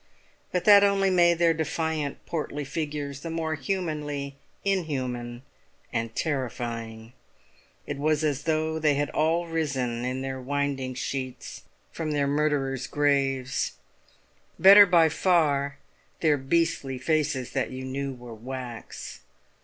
But that only made their defiant, portly figures the more humanly inhuman and terrifying; it was as though they had all risen, in their winding sheets, from their murderer's graves. Better by far their beastly faces, that you knew were wax!